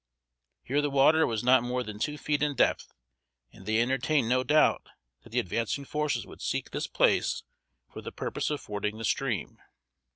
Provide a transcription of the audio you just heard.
Here the water was not more than two feet in depth, and they entertained no doubt that the advancing forces would seek this place for the purpose of fording the stream.